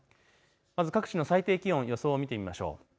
まず各地の最低気温の予想を見てみましょう。